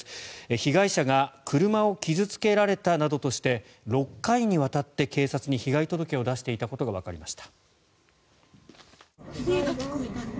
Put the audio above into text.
被害者が車を傷付けられたなどとして６回にわたって警察に被害届を出していたことがわかりました。